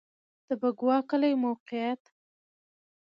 د بکوا کلی موقعیت